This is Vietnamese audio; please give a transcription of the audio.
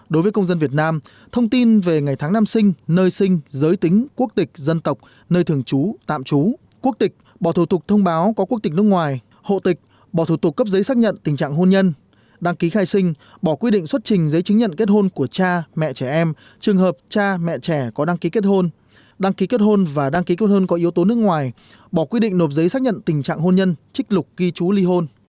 đối với công dân việt nam thông tin về ngày tháng năm sinh nơi sinh giới tính quốc tịch dân tộc nơi thường trú tạm trú quốc tịch bỏ thủ tục thông báo có quốc tịch nước ngoài hộ tịch bỏ thủ tục cấp giấy xác nhận tình trạng hôn nhân đăng ký khai sinh bỏ quy định xuất trình giấy chứng nhận kết hôn của cha mẹ trẻ em trường hợp cha mẹ trẻ có đăng ký kết hôn đăng ký kết hôn và đăng ký kết hôn có yếu tố nước ngoài bỏ quy định nộp giấy xác nhận tình trạng hôn nhân trích lục ghi trú ly